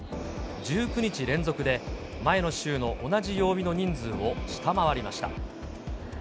１９日連続で前の週の同じ曜日の人数を下回りました。